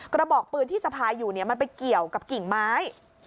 กระบอกปืนที่สะพายอยู่มันไปเกี่ยวกับกิ่งไม้